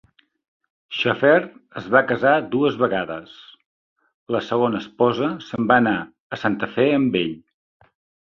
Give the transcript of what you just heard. Schaefer es va casar dues vegades; la segona esposa se'n va anar a Santa Fe amb ell.